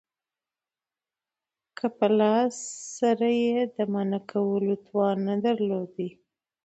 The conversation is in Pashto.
که په لاس سره ئې د منعه کولو توان نه درلودي